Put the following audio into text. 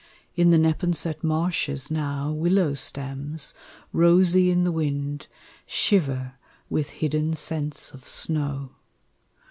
In the Neponset marshes now Willow stems, rosy in the wind, Shiver with hidden sense of snow.